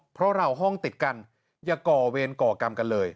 เพราะเราห้องติดกันอย่าก่อเวรก่อกรรมกันเลย